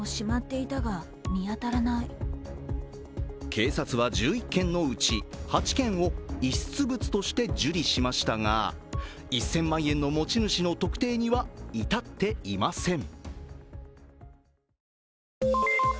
警察は１１件のうち８件を遺失物として受理しましたが、１０００万円の持ち主の特定には至っていません。